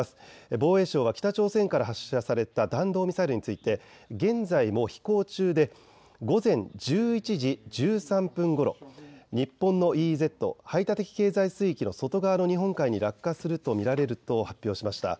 防衛省は北朝鮮から発射された弾道ミサイルについて現在も飛行中で午前１１時１３分ごろ、日本のＥＥＺ・排他的経済水域の外側の日本海に落下すると見られると発表しました。